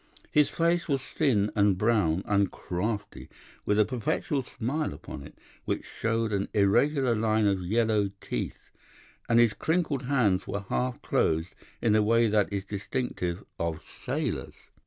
His face was thin and brown and crafty, with a perpetual smile upon it, which showed an irregular line of yellow teeth, and his crinkled hands were half closed in a way that is distinctive of sailors.